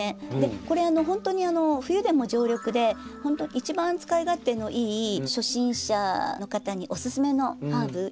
これほんとに冬でも常緑で一番使い勝手のいい初心者の方におすすめのハーブ。